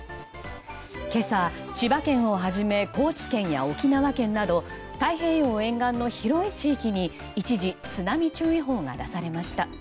今朝、千葉県をはじめ高知県や沖縄県など太平洋沿岸の広い地域に一時、津波注意報が出されました。